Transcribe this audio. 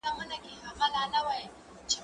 زه له سهاره سبزېجات تياروم.